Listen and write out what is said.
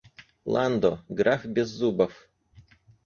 Ландо — граф Беззубов.